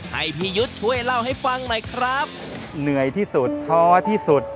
ให้พี่ยุทธ์ช่วยเล่าให้ฟังหน่อยครับ